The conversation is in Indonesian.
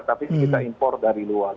tapi ini kita impor dari luar